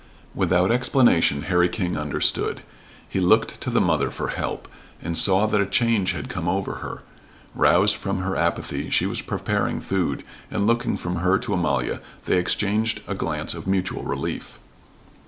Without explanation Harry King understood. He looked to the mother for help and saw that a change had come over her. Roused from her apathy she was preparing food, and looking from her to Amalia, they exchanged a glance of mutual relief.